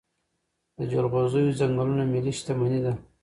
د جلغوزیو ځنګلونه ملي شتمني ده.